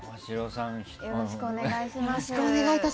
よろしくお願いします。